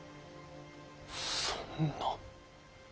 そんな。